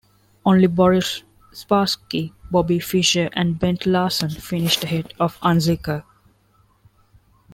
Only Boris Spassky, Bobby Fischer, and Bent Larsen finished ahead of Unzicker.